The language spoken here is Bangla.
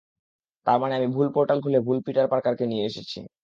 তারমানে আমি ভুল পোর্টাল খুলে ভুল পিটার পার্কারকে নিয়ে এসেছি।